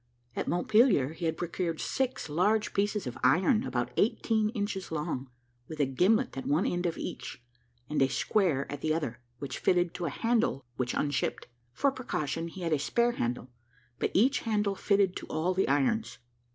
At Montpelier he had procured six large pieces of iron, about eighteen inches long, with a gimlet at one end of each, and a square at the other, which fitted to a handle which unshipped. For precaution he had a spare handle, but each handle fitted to all the irons.